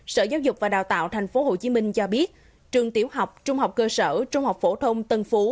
sở giáo dục và đào tạo tp hcm cho biết trường tiểu học trung học cơ sở trung học phổ thông tân phú